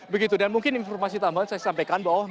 begitu dan mungkin informasi tambahan saya sampaikan bahwa